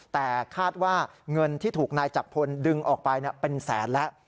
แต่คาดว่าเงินที่ถูกนายจักรพลดึงออกไปเป็นแสนแล้ว